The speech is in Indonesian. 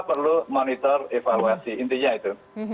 perlu monitor evaluasi intinya itu